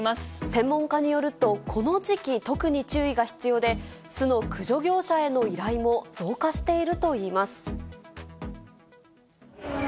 専門家によると、この時期、特に注意が必要で、巣の駆除業者への依頼も増加しているといいます。